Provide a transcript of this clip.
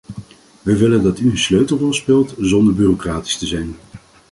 We willen dat u een sleutelrol speelt, zonder bureaucratisch te zijn.